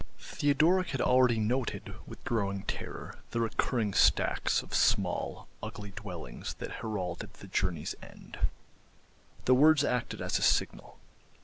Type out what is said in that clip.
Theodoric had already noted with growing terror the recurring stacks of small, ugly dwellings that heralded the journey's end. The words acted as a signal.